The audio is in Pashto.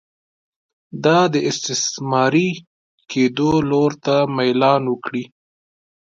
دا د استثماري کېدو لور ته میلان وکړي.